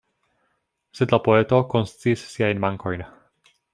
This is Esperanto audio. Sed la poeto konsciis siajn mankojn.